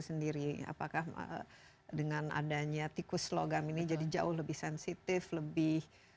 sendiri apakah dengan adanya tikus logam ini jadi jauh lebih sensitif lebih